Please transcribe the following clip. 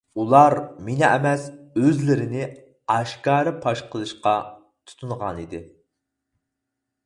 ئۇلار مېنى ئەمەس، ئۆزلىرىنى ئاشكارا پاش قىلىشقا تۇتۇنغانىدى.